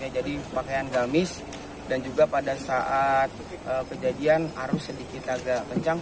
jadi pakaian gamis dan juga pada saat kejadian arus sedikit agak kencang